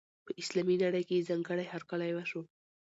په اسلامي نړۍ کې یې ځانګړی هرکلی وشو.